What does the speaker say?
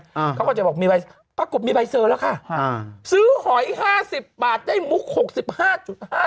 เขาก็จะบอกมีใบเซอร์ปรากฏมีใบเซอร์แล้วค่ะอ่าซื้อหอยห้าสิบบาทได้มุกหกสิบห้าจุดห้า